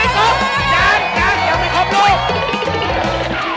โตสองโตสอง